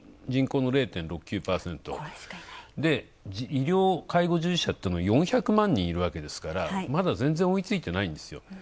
人口の２．６９％、医療介護従事者は４００万人いるわけですから、まだぜんぜん追いついてないんですよ。